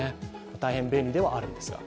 大変便利ではあるんですが。